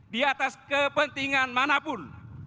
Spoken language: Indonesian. di atas kepentingan manapun